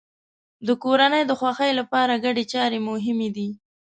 د کورنۍ د خوښۍ لپاره ګډې چارې مهمې دي.